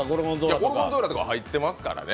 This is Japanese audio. ゴルゴンゾーラとか入ってますからね。